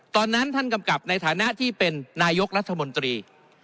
ตอนนั้นท่านกำกับในฐานะที่เป็นนายกรัฐมนตรี